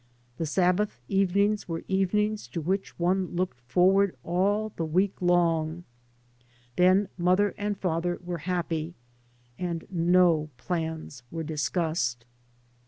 The Sabbath evenings were evenings to which one 3 by Google MY MOTHER AND I looked forward all the week long. Then mother and father were happy; and no plans were discussed.